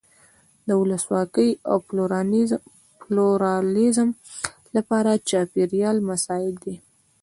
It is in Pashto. د ولسواکۍ او پلورالېزم لپاره چاپېریال مساعد دی.